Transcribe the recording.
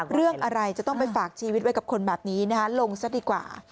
เรื่องอะไรจะต้องไปฝากชีวิตไว้กับคนแบบนี้ลงซะดีกว่า